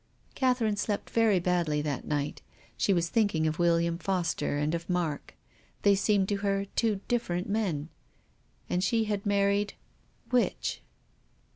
Catherine slept very badly that night. She was thinking of William Foster and of Mark. They seemed to her two different men. And she had married — which